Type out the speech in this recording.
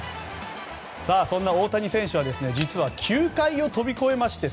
そんな大谷選手は実は球界を飛び越えまして